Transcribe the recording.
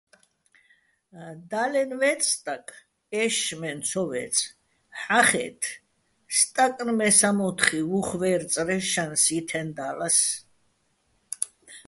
და́ლენ ვე́წე̆ სტაკ, ე́შშმენ ცო ვე́წე̆, ჰ̦ახე́თე̆, სტაკნ მე სამო́თხი ვუხვე́რწრეჼ შანს ჲითეჼ და́ლას.